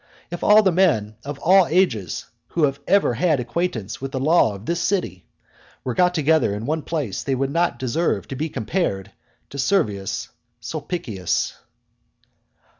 If all the men of all ages, who have ever had any acquaintance with the law in this city, were got together into one place, they would not deserve to be compared to Servius Sulpicius.